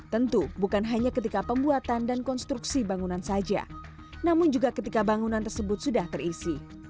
tentu bukan hanya ketika pembuatan dan konstruksi bangunan saja namun juga ketika bangunan tersebut sudah terisi